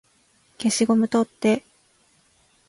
消しゴム取って